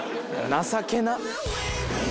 情けなっ。